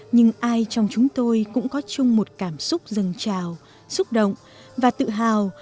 nhưng ai trong chúng tôi cũng có chung một cảm xúc dâng trào xúc động và tự hào